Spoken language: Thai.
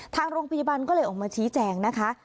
ทางโรงพยาบาลก็เลยออกมาชี้แจงนะคะ